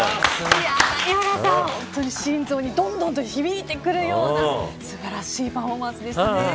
谷原さん、本当に心臓にどんどんと響いてくるような素晴らしいパフォーマンスでしたね。